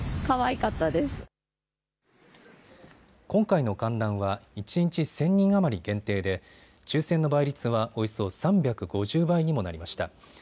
今回の観覧は一日１０００人余り限定で抽せんの倍率はおよそ３５０倍にもなりました。